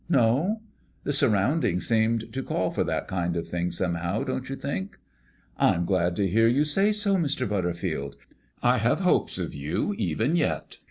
No? The surroundings seem to call for that kind of thing somehow, don't you think?" "I'm glad to hear you say so, Mr. Butterfield. I have hopes of you even yet.